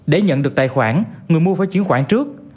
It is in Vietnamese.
để nhận được tài khoản người mua phải chuyển khoản trước